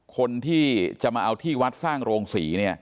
คนที่จะมาเอาที่วัดสร้างโรงศรีเนี่ย